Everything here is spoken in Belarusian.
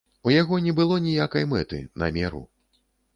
У яго не было ніякай мэты, намеру.